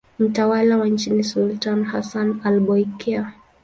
Mtawala wa nchi ni sultani Hassan al-Bolkiah.